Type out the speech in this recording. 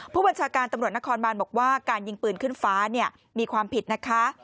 ผู้บัญชาการตำรวจนครบานบอกว่าการยิงปืนขึ้นฟ้ามีความผิดนะคะ